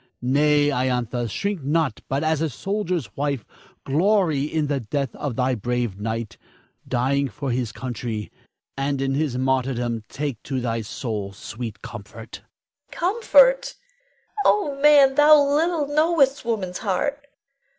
Nay, Iantha, shrink not, but as a soldier's wife, glory in the death of thy brave knight, dying for his country; and in his martyrdom take to thy soul sweet comfort. Iantha. Comfort! Oh, man, thou little knowest woman's heart!